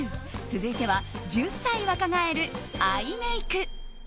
続いては１０歳若返るアイメイク。